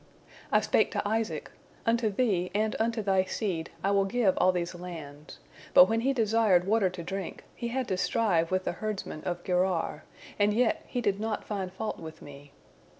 I spake to Isaac, 'Unto thee, and unto thy seed, I will give all these lands,' but when he desired water to drink, he had to strive with the herdsmen of Gerar; and yet he did not find fault with Me.